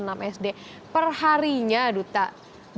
perharinya duta berapa memang menabung uang reaksi